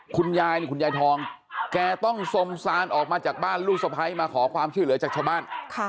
คุณยายนี่คุณยายทองแกต้องสมซานออกมาจากบ้านลูกสะพ้ายมาขอความช่วยเหลือจากชาวบ้าน